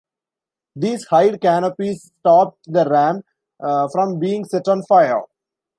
These hide canopies stopped the ram from being set on fire.